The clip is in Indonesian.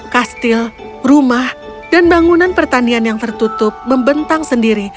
kastil rumah dan bangunan pertanian yang tertutup membentang sendiri